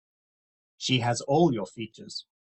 She has all your features.